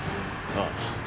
ああ。